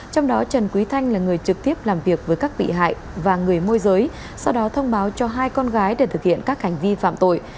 trong đó trần quý thanh là người trực tiếp làm việc với các bị hại và người môi giới sau đó thông báo cho hai con gái để thực hiện các hành vi phạm tội